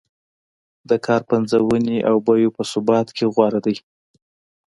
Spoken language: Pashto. د کار پنځونې او بیو په ثبات کې غوره دی.